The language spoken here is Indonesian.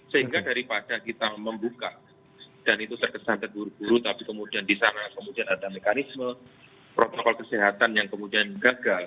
sehingga daripada kita membuka dan itu terkesan terburu buru tapi kemudian di sana kemudian ada mekanisme protokol kesehatan yang kemudian gagal